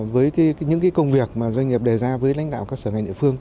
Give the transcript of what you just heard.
với những công việc mà doanh nghiệp đề ra với lãnh đạo các sở ngành địa phương